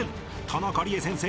［田中理恵先生